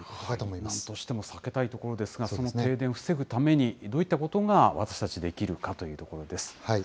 なんとしても避けたいところですが、その停電を防ぐために、どういったことが私たちできるかというところです。